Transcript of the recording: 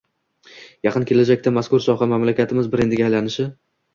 yaqin kelajakda mazkur soha mamlakatimiz brendiga aylanishi